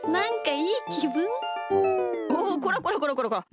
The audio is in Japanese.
おっこらこらこらこらこら！